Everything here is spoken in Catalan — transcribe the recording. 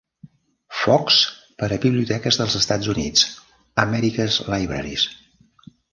Fox per a Biblioteques dels Estats Units (America's Libraries).